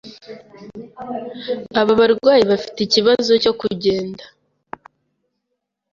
Aba barwayi bafite ikibazo cyo kugenda.